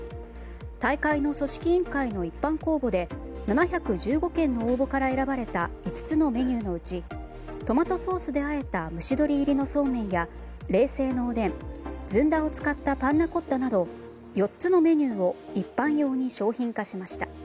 大会の組織委員会の一般公募で７１５件の応募から選ばれた５つメニューのうちトマトソースであえた蒸し鶏入りのそうめんや冷製のおでんずんだを使ったパンナコッタなど４つのメニューを一般用に商品化しました。